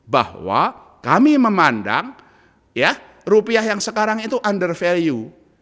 bahwa kami memandang ya rupiah yang sekarang itu under value